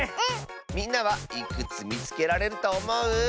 みんなはいくつみつけられるとおもう？